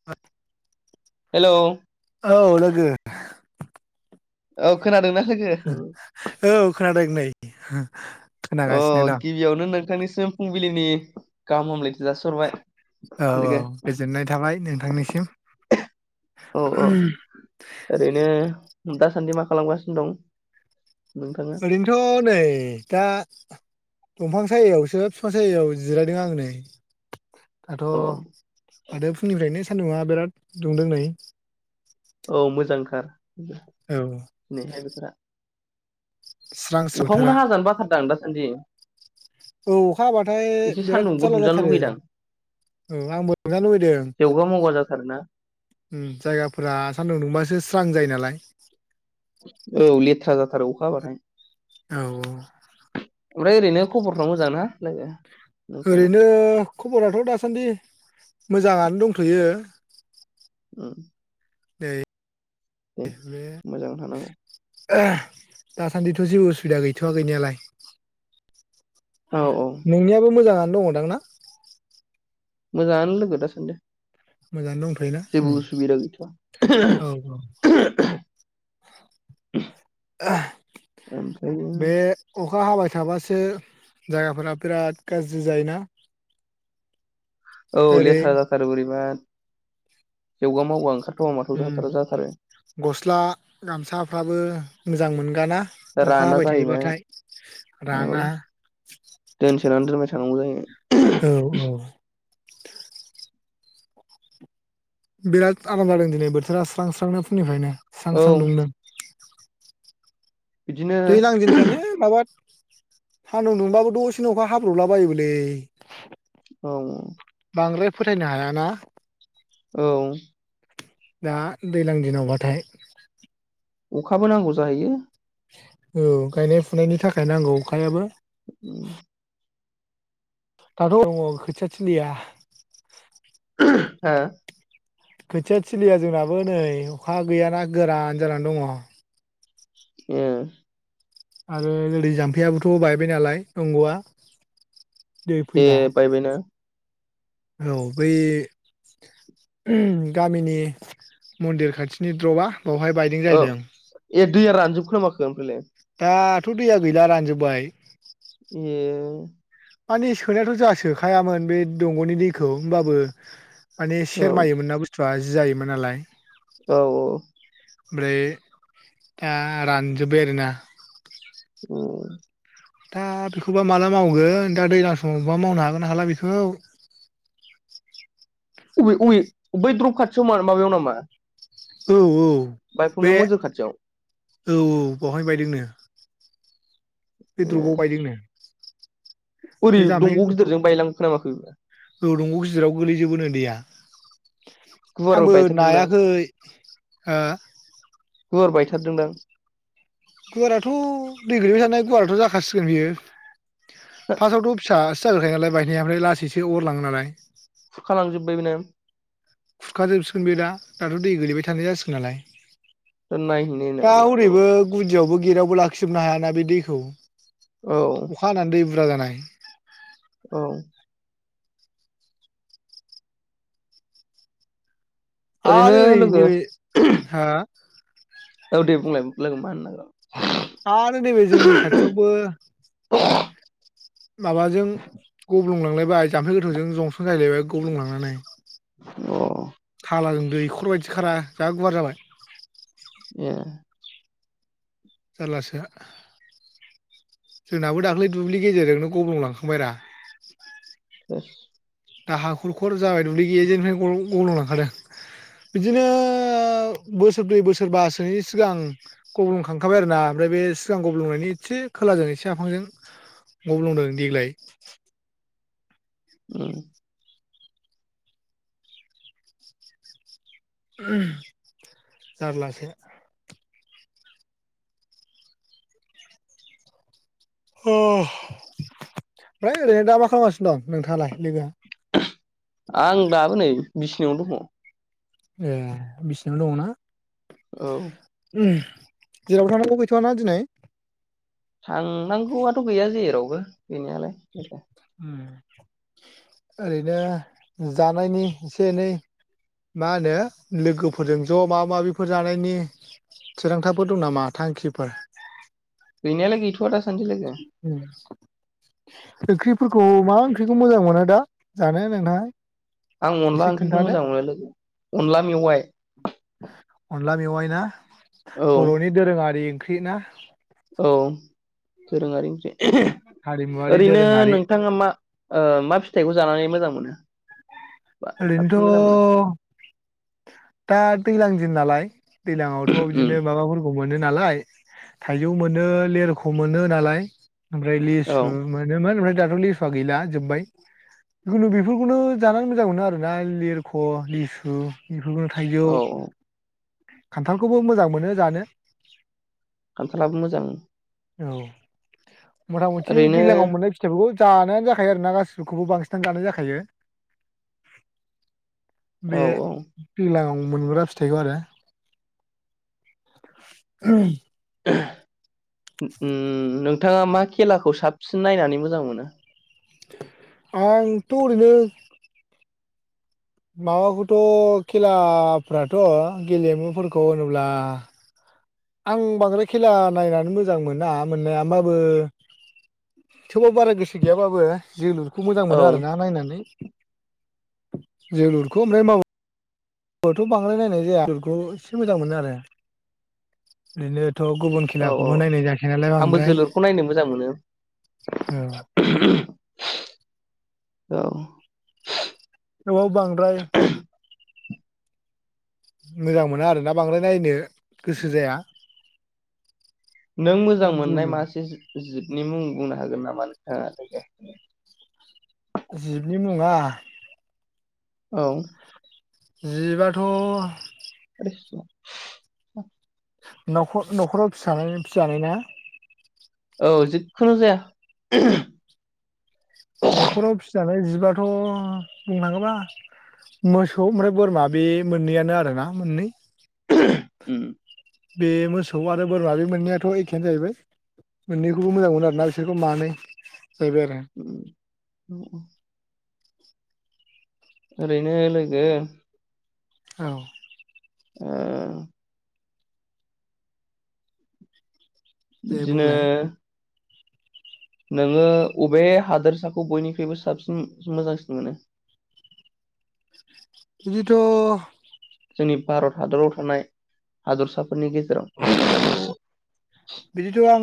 [inaudible] Hello! औ लोगो औ खोनादोंना लोगो? औ खोनादों नै अ खोनागासिनो दं गिबियावनो नोंथांनिसिम फुंबिलिनि गाहाम हामलायथि जासिहरबाय औ औ लोगो गोजोननाय थाबाय नोंथांनिसिम औ औ उम। ओरैनो दासान्दि मा खालामगासिनो दं? नोंथाङा? ओरैनोथ' नै दा दंफां सायायावसो बिफां सायायाव जिरायदों आं नै अ दाथ' माथो फुंनिफ्रायनो सान्दुंङा बिराद दुंदों नै औ मोजां [unintelligible] औ [inaudible] स्रां स्रां बोथोरा अखाखौनो हाजानो बाथारदां दासान्दि औ अखा हाबाथाय एसे बिराद सान्दुंबो जारला दुंजानो जाथारो। लुगैदां औ आंबो [unintelligible] लुबैदों। जेवगा मावगा जाथारोना उम जायगाफोरा सान्दुं दुंबासो स्रां जायो नालाय। औ लेथ्रा जाथारो अखा हाबाथाय। औ औ ओमफ्राय ओरैनो खबरफ्रा मोजां ना लोगो? नोंथांना? ओरैनो खबराथ' दासान्दि मोजाङानो दंथ'यो। उम दे मोजां थानांगौ आह दासान्दिथ' जेबो उसुबिदा गैथ'वा गैनायालाय। औ औ नोंनियाबो मोजाङानो दङदां ना? मोजाङानो लोगो दासानदि। मोजाङानो दंथ'योना उम गैथ'वा औ औ। ओमफ्रायो बे अखा हाबाय थाबासो जायगाफोरा बिराद गाज्रि जायोना। औ ओरै लेथ्रा जाथारो बोरैबा जौगा मावगा ओंखारथावा माथावा उम जाथारा जाथारो। गस्ला गामसाफ्राबो मोजां मोनगाना। दा अखा राना हाबाय जाहैबाय थायोबाथाय औ राना। दोनसोनानै दोनबाय थानांगौ जायो। औ औ बिराद आराम जादों दिनै बोथोरा स्रां स्रांनो फुंनिफ्रायनो स्रां औ स्रां दुंदों। बिदिनो दैलां दिंनखायनो माबा सान्दुं दुंबाबो दसेनो अखा हाब्रबला बायोबोलै। औ औ बांद्राय फोथायनो हायाना। औ दा दैलां दिनावबाथाय। अखाबो नांगौ जाहैयो। औ गायनाय फुनायनि थाखाय नांगौ अखायाबो। उम दाथ दङ खोथियाथिलिया। [unintelligible] ओ खोथिया थिलिया जोंनाबो नै अखा गैयाना गोरान जानानै दङ। उम आरो ओरै जाम्फैयाबोथ बायबाय नालाय दंगआ। दै ए फैला बायबायना। औ बै गामिनि मन्दिर खाथिनि द्रपआ बावहाय बायदों औ जाहैदों। ए दैआ रानजोबखोना माखो ओमफ्रायलाय? दाथ दैया गैला रानजोब्बाय। ए माने सोनायाथ जाहा सोखायामोन बे दंगनि दैखौ होमबाबो माने औ सेरमायोमोन ना बुस्थुआ जि जायोमोन नालाय। औ औ ओमफ्राय दा रानजोब्बाय आरोना। उम दा बेखौबा माला मावगोन दा दैज्लां समावबा मावनो हागोनना हाला बेखौ। अबे अबे बै द्रब खाथियाव मा माबायाव नामा? औ औ बायफंनाय बे मन्दिर खाथियाव औ औ बवहाय बायदोंनो बे ए द्रुपाव बायदोंनो ओरै बे जाम्फै दंग गिदिरजों बायलांखो ना माखो औ दंग गिदिराव गोलैजोबोनो दैैया गुवार आंबो बायथारदोंदां नायाखै हो गुवार बायथारदोंदां गुवारथ' दै गोलैबाय थानाय गुवाराथ' जाखासिगोन बियो फासावथ' फिसा [unintelligible] बायनायालाय ओमफ्राय लासैसो अर लाङो नालाय खुरखा लांजोब्बायना खुरखाजोबसिगोन बे दा दाथ दै गोलैबाय थानाय जासिगोन नालाय दा नायहैनायनांगौ आंल' ओरैबो गुदियावबो गेटावबो लाखिजोबनो हायाना बे दैखौ औ अखा हानानै दै बुरजा जानाय औ ओरैनो आरो ओरै लोगो नैबे हा औ दे बुंलाय लोगो मा होनांगौ आरो नैबे जोंनि खाथियावबो माबाजों गब्लंलांलायबाय जाम्फै गोथौजों जंसो जाहैलांलायबाय गब्लंलांनानै अ थालाजों दैखर बायदि खारा जा गुवार जाबाय एह जारलासो जोंनाबो दाख्लै दुब्लि गेजेरजोंनो गब्लंलांखांबायरा। बास दा हाखुरखर जाबाय दुब्लि गेजेरनिफ्रायनो गल'लांखादों बिदिनो बोसोरब्रै बोसोरबासोनि सिगां गब्लंखांखाबाय आरो ना ओमफ्राय बे सिगां गब्लंनायनि एसे खोलाजों एसे आफांजों गब्लंदों देग्लाय। उम जारलासो। अ ओमफ्राय ओरैनो दा मा खालामगासिनो दं नोंथाङालाय लोगोआ आं दाबो नै बिसिनावनो दङ। ए बिसिनायाव दङना। औ जेरावबो थांनांगौ गैथ'वाना दिनै। थांनांगौआथ' गैया जेरावबो गैनायालाय उम ओरैनो जानायनि एसे-एनै मा होनो लोगोफोरजों ज' माबा माबिफोर जानायनि थिरांथाफोर दं नामा थांखिफोर। गैनायालाय गैथ'आ दा सानदि लोगो। उम ओंख्रिफोरखौ मा ओंख्रिखौ मोजां मोनो दा जानो नोंथाङा। आं अनला एसे ओंख्रिखौ खोन्थादो मोजां मोनो लोगो अनला मेवाइ। अनला मेवाइ ना औ बर'नि दोरोङारि ओंख्रि ना। औ दोरोङारि ओंख्रि हारिमुवारि ओरैनो दोरोङारि नोंथाङा मा ओ मा फिथाइखौ जानानै मोजां मोनो? बा साबसिन मोजां मोनो ओरैनोथ' दा दैलां दिननालाय दैलांआवथ' उम बिदिनो माबाफोर खौ मोनो नालाय थाइजौ मोनो लेरख' मोनो नालाय ओमफ्राय औ लेसु मोनोमोन ओमफ्राय दाथ' लेसुआ गैला जोब्बाय जिखुनु बेफोरखौनो जानानै मोजां मोनो आरोना लिरख' लिसु एफोरखौनो थाइजौ। औ खान्थालखौबो मोजां मोनो जानो। खान्थालाबो मोजां। औ मथा-मथि ओरैनो दैलांआव मोननाय फिथाइफोरखौ जानायानो जाखायो आरोना गासिखौबो बांसिनानो जानाय जाखायो। औ बे औ दैलांआव मोनग्रा फिथाइखौ आरो। उम‌ उम नोंथाङा मा खेलाखौ साबसिन नायनानै मोजां मोनो? आंथ' ओरैनो माबाखौथ' खेलाफ्राथ' गेलेमुफोरखौ होनोब्ला आं बांद्राय खेला नायनानै मोजां मोना मोननाया होमबाबो थेवबाबो बारा गोसो गैयाबो जोलुर खौ मोजां औ मोनो आरोना नायनानै जोलुरखौ ओमफ्राय खौथ' बांद्राय नायनाय जाया जोलुरखौ एसे मोजां मोनो आरो ओरैनो थ' गुबुन औ औ खेलाखौबो नायनाय जायाखाया नालाय आंबो बांद्राय जोलुरखौ नायनो मोजां मोनो औ। औ। थेवबाबो बांद्राय मोजां मोना आरोना बांद्राय नायनो गोसो जाया। नों मोजां मोननाय जोलुर मासे जिब-जिबनि मुं बुंनो हागोन नामा नोंथाङा? जिबनि मुङा औ। जिबाथ' आदै न'खर न'खराव फिसानायनि फिजानायना? औ जिखुनु जाया। न'खराव फिजानाय जिबाथ' बुंनांगोबा मोसौ ओमफ्राय बोरमा बे मोननैयानो आरोना मोननै। उम बे मोसौ आरो बोरमा बे मोननैयाथ' एखेयानो जाहैबाय। मोननैखौबो मोजां मोनो आरोना बिसोरखौ मानै जाहैबाय आरो। उम औ औ। ओरैनो लोगो औ। ओं। दे बिदिनो बुंलाय नोङो अबे हादोरसाखौ बयनिख्रुइबो साबसिन मोजांसिन मोनो? बिदिथ' जोंनि भारत हादराव थानाय हादरसाफोरनि गेजेराव? बिदिथ' आं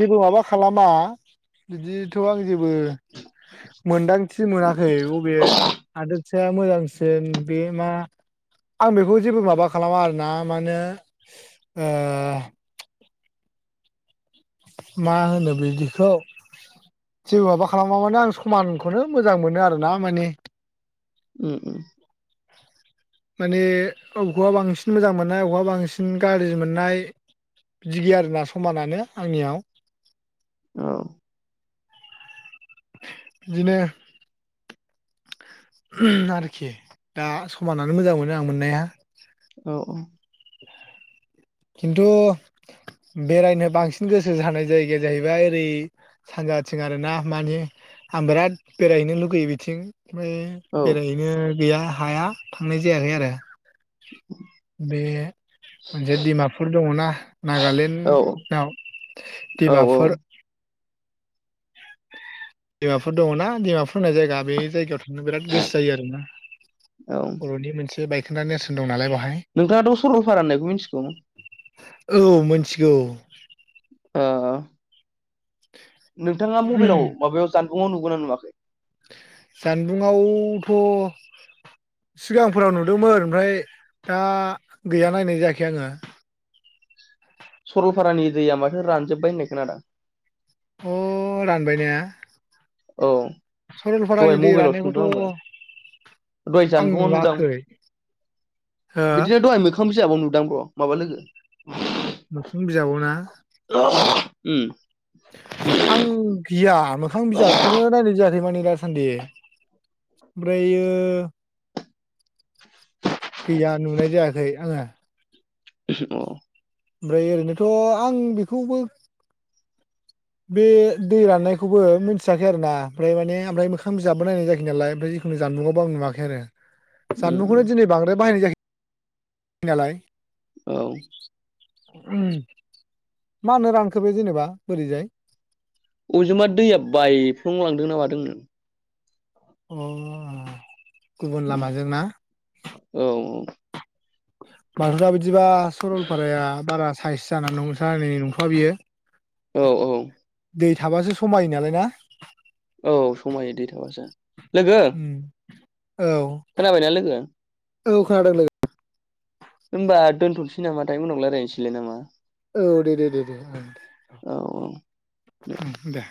जेबो माबा खालामा बिदिथ' आं जेबो मोनदांथि मोनाखै अबे हादोद मोजांसिन बे मा। आं बेखौ जेबो माबा खालामा आरोना माने ओ मा होनो बिदिखौ। जेबो माबा खालामाबानो आं समानखौनो मोजां मोनो आरोना माने। उम उम। माने बबेखौबा बांसिन मोजां मोननाय बबेखौबा बांसिन गाज्रि मोननाय। बिदि गैया आरोना समानानो आंनियाव। औ बिदिनो आरोखि दा समानानो मोजां मोनो आं मोननाया। औ औ। खिन्थु बेरायनो बांसिन गोसो जानाय जायगाया जाहैबाय ओरै। सानजाथिं आरोना मानि आं बिराद बेरायहैनो लुगैयो बिथिं ओमफ्राय। बेरायहैनो गैया हाया थांनाय जायाखै आरो बे। जे डिमापुर दङना औ नागालेण्डआव औ डिमापुर। डिमाफोर दङना डिमाफोर होननाय जायगा बे जायगायाव थां नो बिराद गोसो जायो आरोना औ बर'नि मोनसे बायखोन्दा नेरसोन दं नालाय बेवहाय। नोंथाङाथ' सरलपारा होननायखौ मिन्थिगौ। औ मिथिगौ। ओ नोंथाङा मबाइलाव माबायाव जानबुंआव नुगोनना नुवाखै? जानबुंआवथ' सिगांफोराव नुदोंमोन ओमफ्राय दा गैया नायनाय जायाखै आङो। सरलपारानि दैया माथो रानजोब्बाय होननाय खोनदों आङो। अ रानबायनाया? औ। दहाय दै मबाइलावसो राननायखौथ' नुदों आंबो दहाय आं जानबुङाव नुदां। नुवाखै हो बिदिनो दहाय मोखां बिजाबाव नुदां ब्र माबा लोगो। मोखां बिजाबावना? उ। आं गैया मोखां बिजाबखौनो नायनाय जायाखै माने दा। सान्दि ओमफ्रायो गैया नुनाय जायाखै आङो। अ। ओमफ्राय ओरैनोथ' आं बेखौबो बे दै राननायखौबो मिथियाखै आरो ना। ओमफ्राय माने ओमफ्राय मोखां बिजाबबो नायनाय जायै नालाय ओमफ्राय आंनि जानबुंआव दं नुवाखै आरो। [inaudible] जानबुंखौनो दिनै बांद्राय बाहायनाय जायाखै नालाय। औ। मा नो रानखो बे जेनेबा बोरैजाय? अबेजोंबा दैया बायफ्लंलांदों ना माादों नो। अ' आ गुबुन उम लामाजोंना? औ बाथो दा बिदिबा सरलपाराया बारा साइस जानानै नंथ'ङा नंथ'वा बियो। औ - औ। दै थाबासो समायो नालाय ना? औ समायो दै थाबासो लोगो। उम औ। खोनाबायना लोगो? औ खोनादों लोगो। होमबा दोनथ'नोसै नामाथाय उनाव रायजायनोसैलाय नामा? औ दे - दे - दे औ औ ओं दे।